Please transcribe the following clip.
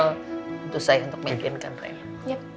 untuk saya untuk mengimplementer rena